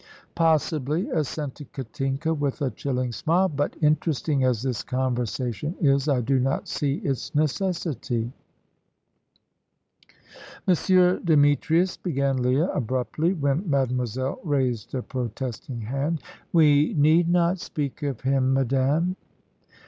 "Possibly," assented Katinka, with a chilling smile; "but, interesting as this conversation is, I do not see its necessity." "Monsieur Demetrius," began Leah, abruptly, when Mademoiselle raised a protesting hand. "We need not speak of him, madame."